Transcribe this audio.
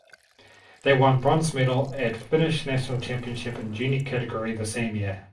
They won bronze medal at Finnish National Championship in junior category the same year.